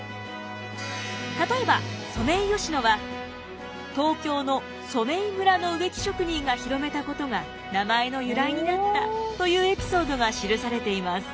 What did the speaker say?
例えばソメイヨシノは東京の染井村の植木職人が広めたことが名前の由来になったというエピソードが記されています。